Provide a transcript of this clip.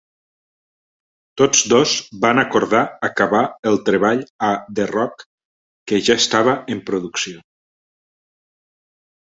Tots dos van acordar acabar el treball a "The Rock", que ja estava en producció.